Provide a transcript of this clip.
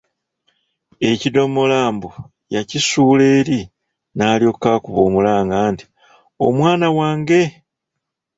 Ekidomola mbu yakisuula eri n’alyoka akuba omulanga nti, “Omwana wange!''